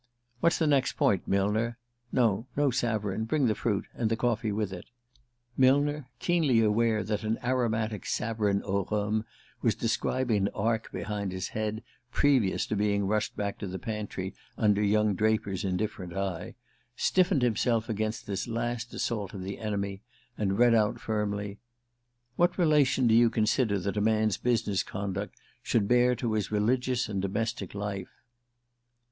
What's the next point, Millner? (No; no savarin. Bring the fruit and the coffee with it.)" Millner, keenly aware that an aromatic savarin au rhum was describing an arc behind his head previous to being rushed back to the pantry under young Draper's indifferent eye, stiffened himself against this last assault of the enemy, and read out firmly: "_ What relation do you consider that a man's business conduct should bear to his religious and domestic life?